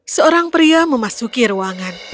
seorang pria memasuki ruangan